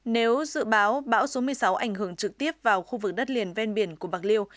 nếu dự báo bão số một mươi sáu ảnh hưởng trực tiếp vào khu vực đất liền ven biển của bạc liêu